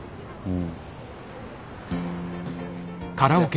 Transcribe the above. うん。